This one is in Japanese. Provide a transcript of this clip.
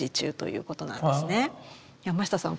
山下さん